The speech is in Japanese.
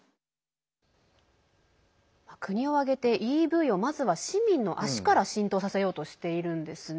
国を挙げてＥＶをまずは市民の足から浸透させようとしているんですね。